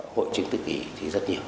hội chứng tự kỳ thì rất nhiều